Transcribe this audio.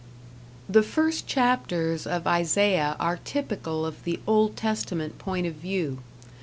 The first chapters of Isaiah are typical of the Old Testament point of view.